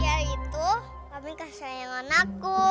ya itu kami kasih sayang anakku